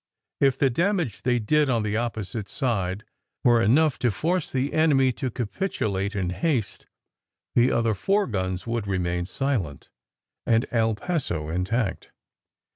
If the damage they did on the opposite side were enough to force the enemy to capit ulate in haste, the other four guns would remain silent, and El Paso intact.